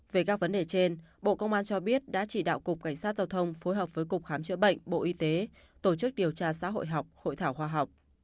về các vấn đề trên bộ công an cho biết đã chỉ đạo cục cảnh sát giao thông phối hợp với cục khám chữa bệnh bộ y tế tổ chức điều tra xã hội học hội thảo khoa học